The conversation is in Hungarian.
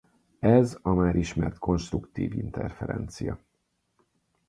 Ez a már ismert konstruktív interferencia.